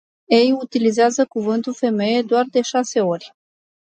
Ei utilizează cuvântul "femeie” doar de șase ori.